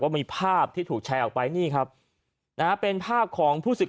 ว่ามีภาพที่ถูกแชร์ออกไปนี่ครับนะเป็นภาพของผู้สิทธิ์